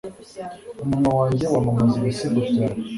Umunwa wanjye wamamaza ibisingizo byawe